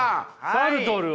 サルトルは。